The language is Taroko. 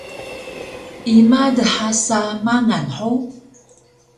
Ima dha sa mangal hug?